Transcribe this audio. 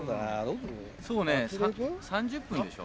そうね３０分でしょ？